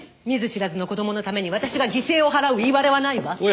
見ず知らずの子供のために私が犠牲を払ういわれはないわ。